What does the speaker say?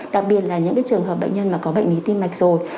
đặc biệt là những trường hợp bệnh nhân mà có bệnh lý tim mạch rồi